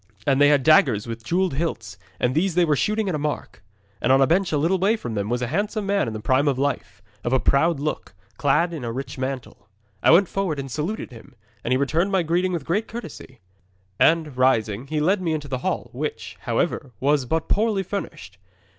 And they had daggers with jewelled hilts, and these they were shooting at a mark. 'And on a bench a little way from them was a handsome man in the prime of life, of a proud look, clad in a rich mantle. 'I went forward and saluted him, and he returned my greeting with great courtesy. And, rising, he led me into the hall, which, however, was but poorly furnished.